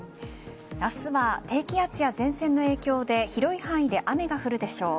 明日は低気圧や前線の影響で広い範囲で雨が降るでしょう。